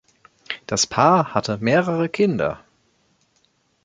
Das Paar hatte mehrere Kinder.